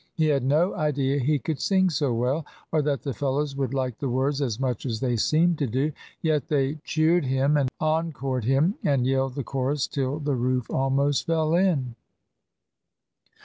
He had no idea he could sing so well, or that the fellows would like the words as much as they seemed to do. Yet they cheered him and encored him, and yelled the chorus till the roof almost fell in.